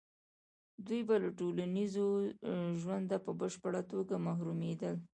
دوی به له ټولنیز ژونده په بشپړه توګه محرومېدل.